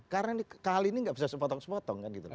karena hal ini tidak bisa sepotong sepotong kan gitu loh